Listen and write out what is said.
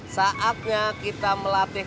saatnya kita melatih